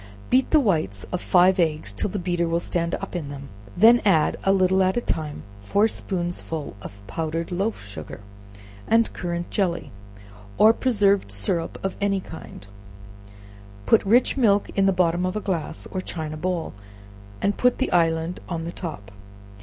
Beat the whites of five eggs till the beater will stand up in them; then add, a little at a time, four spoonsful of powdered loaf sugar, and currant jelly, or preserved syrup of any kind; put rich milk in the bottom of a glass, or china bowl, and put the island on the top.